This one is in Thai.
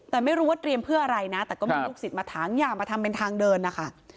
แต่ไม่รู้ว่าเตรียมเพื่ออะไรนะแต่ก็มีลูกศิษย์มาถางอย่ามาทำเป็นทางเดินนะคะ